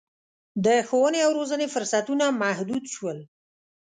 د ښوونې او روزنې فرصتونه محدود شول.